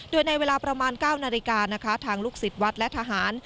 โดยในเวลาประมาณ๙นาฬิกานะคะทางลูกศิษย์วัดและทหาร